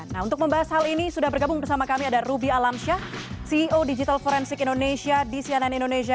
nah untuk membahas hal ini sudah bergabung bersama kami ada ruby alamsyah ceo digital forensik indonesia di cnn indonesia